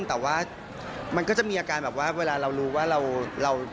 แต่ว่ามันก็จะมีอาการแบบว่าเวลาเรารู้ว่าเรา